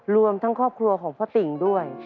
รวมทั้งครอบครัวของพ่อติ่งด้วย